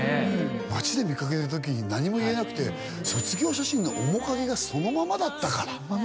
町でみかけたとき何も言えなくて「卒業写真の面影がそのままだったから」